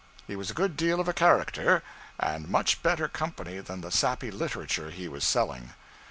He was a good deal of a character, and much better company than the sappy literature he was selling.